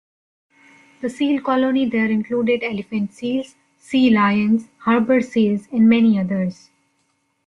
The seal colony there included elephant seals, sea lions harbor seals and many others.